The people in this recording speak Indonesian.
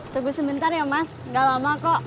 tunggu sebentar ya mas gak lama kok